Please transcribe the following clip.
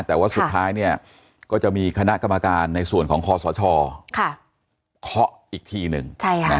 แต่ว่าสุดท้ายก็จะมีคณะกรรมการในส่วนของคอสชเคาะอีกทีหนึ่ง